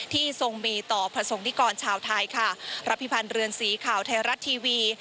ทรงมีต่อประสงค์นิกรชาวไทยค่ะรับพิพันธ์เรือนสีข่าวไทยรัฐทีวี